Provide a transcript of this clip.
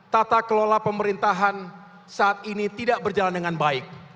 tata kelola pemerintahan saat ini tidak berjalan dengan baik